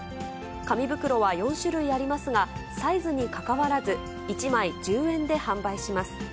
紙袋は４種類ありますが、サイズにかかわらず、１枚１０円で販売します。